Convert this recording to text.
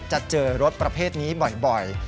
จะเจอรถประเภทนี้บ่อย